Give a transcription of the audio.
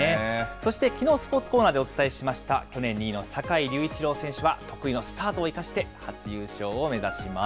そして、きのう、スポーツコーナーでお伝えしました去年２位の坂井隆一郎選手は、得意のスタートを生かして初優勝を目指します。